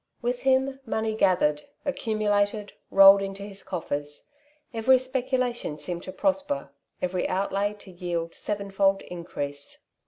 With him money gathered, accumulated, rolled into his coffers ; every speculation seemed to prosper, every outlay to yield sevenfold increase.